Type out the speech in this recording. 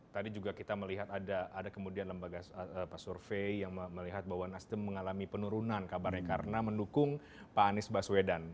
tadi juga kita melihat ada kemudian lembaga survei yang melihat bahwa nasdem mengalami penurunan kabarnya karena mendukung pak anies baswedan